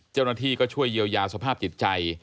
เจ้าหน้าที่ก็ช่วยเยียวยาสภาพจิตใจ